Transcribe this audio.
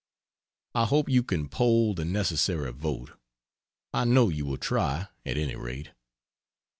I hope you can poll the necessary vote; I know you will try, at any rate.